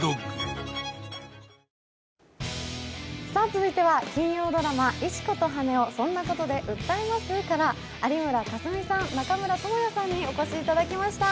続いては金曜ドラマ「石子と羽男−そんなコトで訴えます？−」から有村架純さん、中村倫也さんにお越しいただきました。